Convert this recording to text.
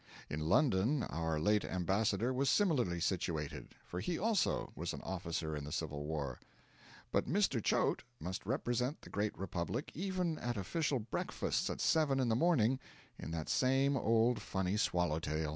In London our late ambassador was similarly situated; for he, also, was an officer in the Civil War. But Mr. Choate must represent the Great Republic even at official breakfasts at seven in the morning in that same old funny swallow tail.